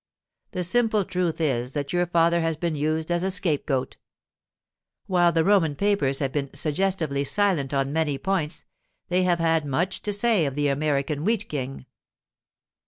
The simple truth is that your father has been used as a scapegoat. While the Roman papers have been suggestively silent on many points, they have had much to say of the American Wheat King.